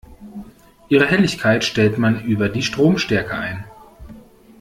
Ihre Helligkeit stellt man über die Stromstärke ein.